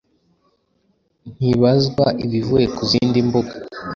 ntibazwa ibivuye ku zindi mbuga